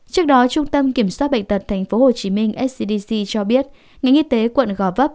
trước đó trung tâm kiểm soát bệnh tật tp hcm scdc cho biết ngành y tế quận gò vấp